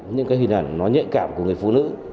những cái hình ảnh nó nhạy cảm của người phụ nữ